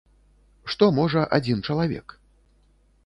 Што можа адзін чалавек?